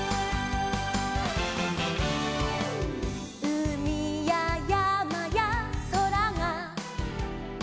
「うみややまやそらが」